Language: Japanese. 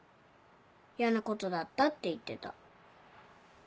やなことだったって言ってた。